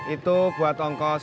itu buat ongkos